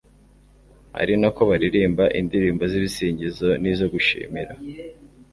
ari na ko baririmba indirimbo z'ibisingizo n'izo gushimira